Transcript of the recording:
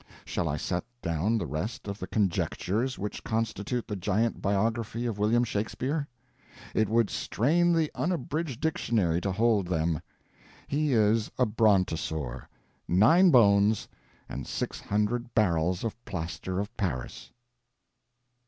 Shall I set down the rest of the Conjectures which constitute the giant Biography of William Shakespeare? It would strain the Unabridged Dictionary to hold them. He is a brontosaur: nine bones and six hundred barrels of plaster of Paris.